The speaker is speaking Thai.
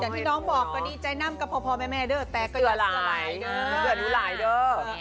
อย่างที่น้องบอกก็ดีใจน่ะพอแม่เดี๋ยวแต่ก็ยังเสื้อหลายเดี๋ยว